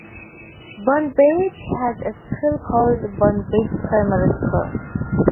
Bonbeach has a school called Bonbeach Primary School.